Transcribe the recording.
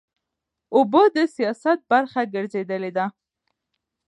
اوبه د سیاست برخه ګرځېدلې ده.